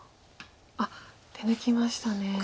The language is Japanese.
手抜きましたね。